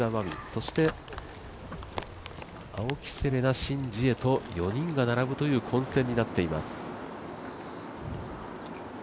そして青木瀬令奈、シン・ジエと４人が並ぶという混戦になっています。